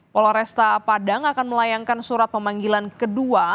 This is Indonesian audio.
poloresta padang akan melayangkan surat pemanggilan kedua